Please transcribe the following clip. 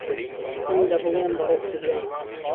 من دهبڵێم بە ڕوح و جان